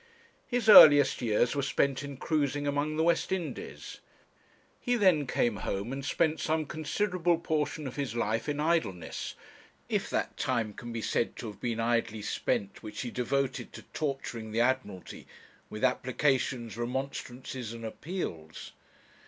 His earliest years were spent in cruising among the West Indies; he then came home and spent some considerable portion of his life in idleness if that time can be said to have been idly spent which he devoted to torturing the Admiralty with applications, remonstrances, and appeals.